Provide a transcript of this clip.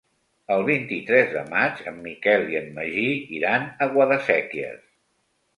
El vint-i-tres de maig en Miquel i en Magí iran a Guadasséquies.